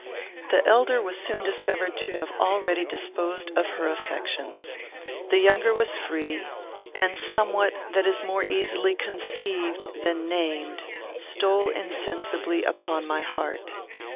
The elder was soon discovered to have already disposed of her affections. The younger was free, and somewhat that is more easily conceived than named stole insensibly upon my heart.